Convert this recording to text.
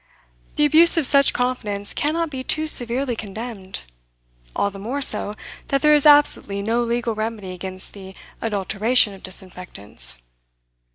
The abuse of such confidence cannot be too severely condemned, all the more so, that there is absolutely no legal remedy against the adulteration of disinfectants.